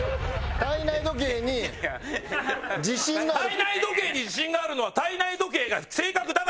体内時計に自信があるのは体内時計が正確だからですよ